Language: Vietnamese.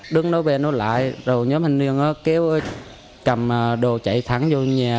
đứng đó bên đó lại rồi nhóm hành viên kéo cầm đồ chạy thẳng vô nhà